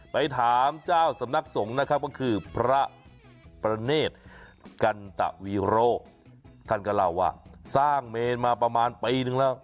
ไปถามเจ้าสำนักสงฆ์นะครับก็คือพระประเนธกันตะวีโรท่านก็เล่าว่าสร้างเมนมาประมาณปีนึงแล้ว